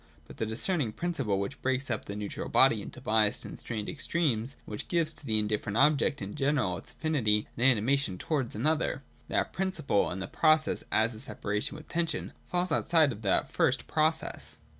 But the discerning principle, which breaks up the neutral body into biassed and strained extremes, and which gives to the indifferent object in general its affinity and anima tion towards another; — that principle, and the process as a separation with tension, falls outside of that first process.